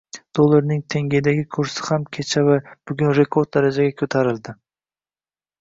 Dollarning tengedagi kursi ham kecha va bugun rekord darajaga ko'tarildi